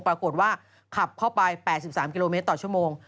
ปรากฏว่าขับเข้าไป๘๓กิโลเมตรต่อชั่วโมง